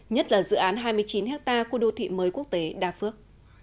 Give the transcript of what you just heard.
nhất là dự án hai mươi chín hectare của đô thị mới quốc tế đà phước